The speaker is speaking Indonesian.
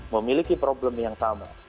memiliki problem yang sama